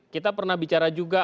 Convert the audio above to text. kita pernah bicara juga